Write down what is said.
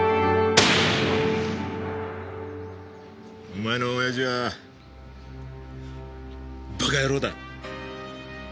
お前の親父はバカ野郎だ。